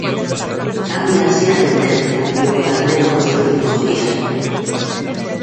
Cambia así a tendencia logo da tregua dos últimos días.